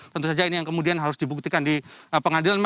tentu saja ini yang kemudian harus dibuktikan di pengadilan